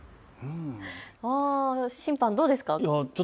審判、どうですか？